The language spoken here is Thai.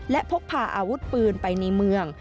และพกพาอาวุธปืนไปในเมือง